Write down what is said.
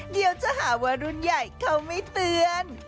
เดี๋ยวจะหาว่ารุ่นใหญ่เขาไม่เตือน